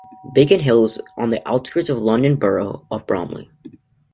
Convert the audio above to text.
Biggin Hill is on the outskirts of the London Borough of Bromley.